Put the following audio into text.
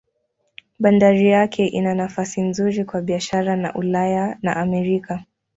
Bandari yake ina nafasi nzuri kwa biashara na Ulaya na Amerika.